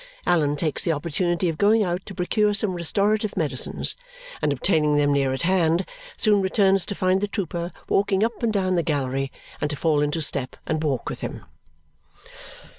Allan takes the opportunity of going out to procure some restorative medicines, and obtaining them near at hand, soon returns to find the trooper walking up and down the gallery, and to fall into step and walk with him.